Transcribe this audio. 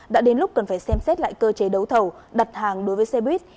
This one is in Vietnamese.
đã đến lúc cần phải xem xét lại cơ chế đấu thầu đặt hàng đối với xe buýt